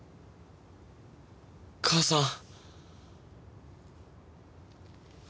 母さん。